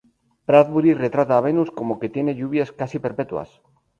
Bradbury retrata a Venus como que tiene lluvias casi perpetuas.